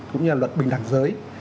cũng như là luật bình đẳng giới